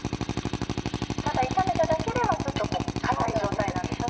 ただ炒めただけではちょっと硬い状態なんです。